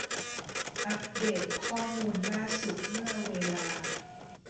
อัปเดตข้อมูลล่าสุดเมื่อเวลา